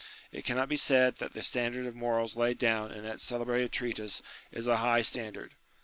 It cannot be said that the standard of morals laid down in that celebrated treatise is a high standard.